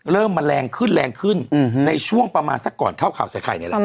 มาแรงขึ้นแรงขึ้นในช่วงประมาณสักก่อนเข้าข่าวใส่ไข่นี่แหละครับ